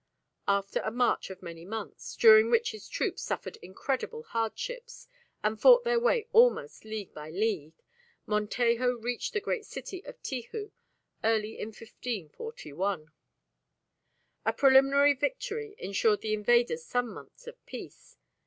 After a march of many months, during which his troops suffered incredible hardships and fought their way almost league by league, Montejo reached the great city of Tihoo early in 1541. A preliminary victory ensured the invaders some months of peace.